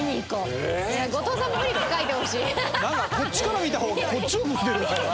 こっちから見た方がこっちを向いてるからな。